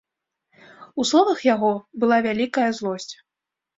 У словах яго была вялікая злосць.